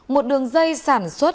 một đường dây sản xuất